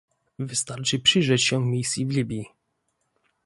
Wystarczy przyjrzeć się misji w Libii